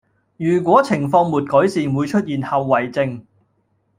如果情況沒改善會出現後遺症